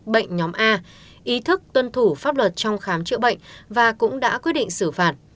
bệnh nhóm a ý thức tuân thủ pháp luật trong khám chữa bệnh và cũng đã quyết định xử phạt